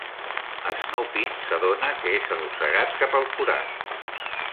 Snoopy s'adona que és arrossegat cap al forat.